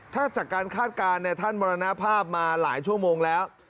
ถ้าจากการคาดการณ์ท่านมรณภาพมาหลายชั่วโมงแล้ว